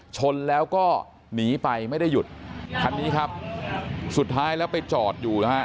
ชนแล้วก็หนีไปไม่ได้หยุดคันนี้ครับสุดท้ายแล้วไปจอดอยู่นะฮะ